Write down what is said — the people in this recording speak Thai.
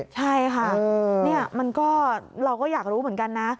ใช่ค่ะเราก็อยากรู้เหมือนกันนะ